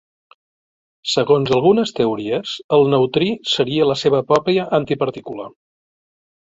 Segons algunes teories, el neutrí seria la seva pròpia antipartícula.